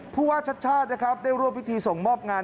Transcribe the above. ผู้ว่าชาติชาติได้ร่วมพิธีส่งมอบงาน